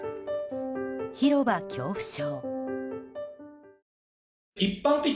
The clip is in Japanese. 広場恐怖症。